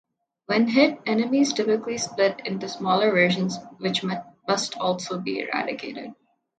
When hit, enemies typically split into smaller versions which must also be eradicated.